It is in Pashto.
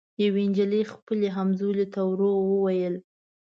یوې نجلۍ خپلي همزولي ته ورو ووېل